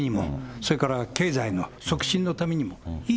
それから経済の促進のためにもいい。